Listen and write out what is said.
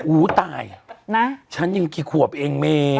อู้วตายชั้นยังกี่ขวบเองเมย์